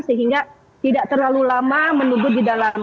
sehingga tidak terlalu lama menunggu di dalam